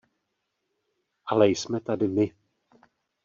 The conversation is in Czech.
Ale jsme tady my.